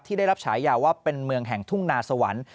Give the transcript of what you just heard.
ได้รับฉายาว่าเป็นเมืองแห่งทุ่งนาสวรรค์